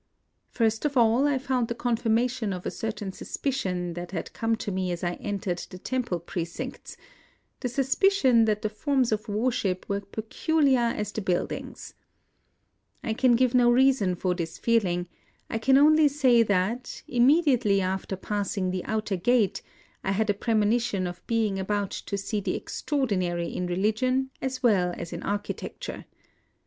First of all, I found the confirmation of a certain suspicion that had come to me as I entered the temple precincts, — the suspicion that the forms of worship were peculiar as the IN OSAKA 157 buildings. I can give no reason for this feel ing; I can only say that, immediately after passing the outer gate, I had a premonition of being about to see the extraordinary in reli gion as well as in architecture.